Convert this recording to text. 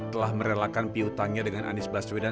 telah merelakan piutangnya dengan anies baswedan